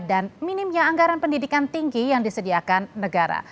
dan minimnya anggaran pendidikan tinggi yang disediakan negara